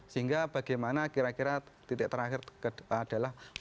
sehingga bagaimana kira kira titik terakhir adalah